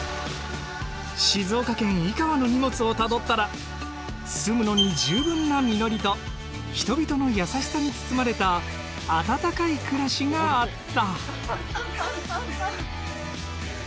静岡県井川の荷物をたどったら住むのに十分な実りと人々の優しさに包まれた温かい暮らしがあった。